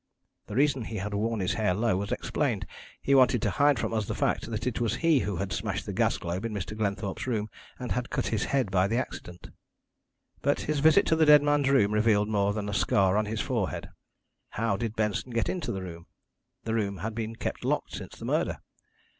The reason he had worn his hair low was explained: he wanted to hide from us the fact that it was he who had smashed the gas globe in Mr. Glenthorpe's room, and had cut his head by the accident. "But his visit to the dead man's room revealed more than the scar on his forehead. How did Benson get into the room? The room had been kept locked since the murder.